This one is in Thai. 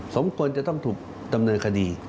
สมควรจะต้องถูกดำเนินคดี